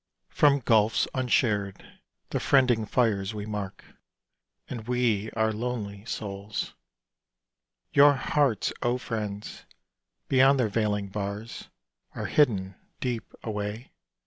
From gulfs unshared the friending fires we mark, And we are lonely souls Your hearts, O friends! beyond their veiling ba: Are hidden deep away.